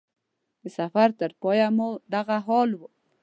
د سفر تر پای مو دغه حال و.